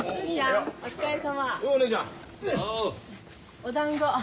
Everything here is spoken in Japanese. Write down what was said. おだんご。